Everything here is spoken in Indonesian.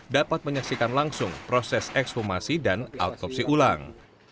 dapat menyaksikan langsung proses ekspumasi dan otopsi ulang